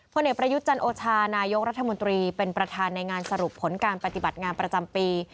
เอกประยุทธ์จันโอชานายกรัฐมนตรีเป็นประธานในงานสรุปผลการปฏิบัติงานประจำปี